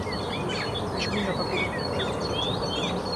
А почему не атакован Пушкин?